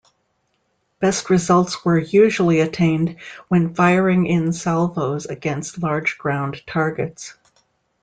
Best results were usually attained when firing in salvos against large ground targets.